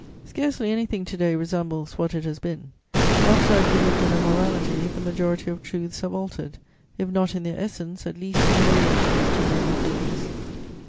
"Scarcely anything to day resembles what it has been; outside religion and morality, the majority of truths have altered, if not in their essence, at least in their relations to men and things.